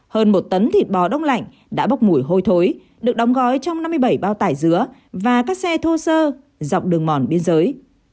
hơn một tấn thịt bò đông lạnh đã bốc mùi hôi thối được đóng gói trong năm mươi bảy bao tải dứa và các xe thô sơ dọc đường mòn biên giới